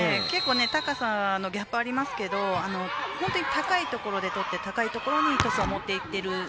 結構、高さのギャップはありますが高いところで取って高いところにトスを持っていっている。